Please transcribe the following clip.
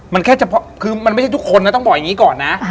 มันแค่เฉพาะคือมันไม่ใช่ทุกคนนะต้องบอกอย่างนี้ก่อนนะ